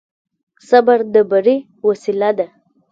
صبر د بري وسيله ده.